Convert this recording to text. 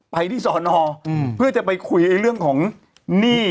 ไปที่สอนอเพื่อจะไปคุยเรื่องของหนี้